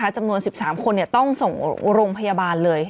จำนวน๑๓คนต้องส่งโรงพยาบาลเลย